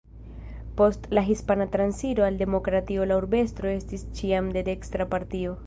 Post la Hispana Transiro al demokratio la urbestro estis ĉiam de dekstra partio.